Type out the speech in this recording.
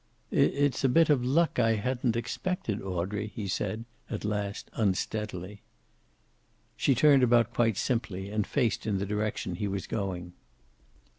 "It's a bit of luck I hadn't expected, Audrey," he said, at last, unsteadily. She turned about quite simply, and faced in the direction he was going.